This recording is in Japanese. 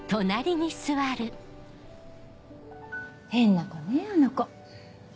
変な子ねあの子。